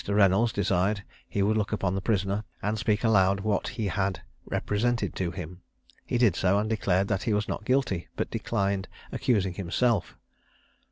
Reynolds desired he would look upon the prisoner, and speak aloud what he had represented to him. He did so, and declared that he was not guilty; but declined accusing himself.